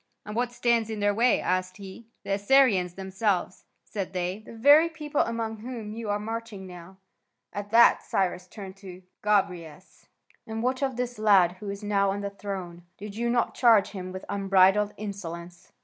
"And what stands in their way?" asked he. "The Assyrians themselves," said they, "the very people among whom you are marching now." At that Cyrus turned to Gobryas: "And what of this lad who is now on the throne? Did you not charge him with unbridled insolence?"